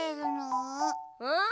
うん？